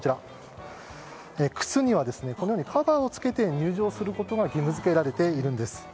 靴には、カバーを付けて入場することが義務付けられているんです。